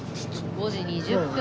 ５時２０分。